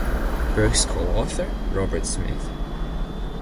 Burk's coauthor, Robert Smith?